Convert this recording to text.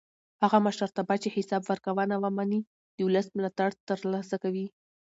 هغه مشرتابه چې حساب ورکوونه ومني د ولس ملاتړ تر لاسه کوي